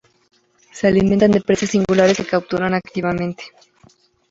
Se alimentan de presas singulares que capturan activamente.